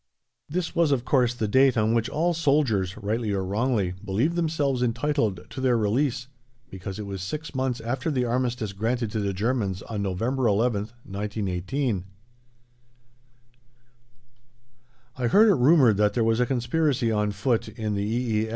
This was, of course, the date on which all soldiers, rightly or wrongly, believed themselves entitled to their release, because it was six months after the Armistice granted to the Germans on November 11th, 1918. I heard it rumoured that there was a conspiracy on foot in the E.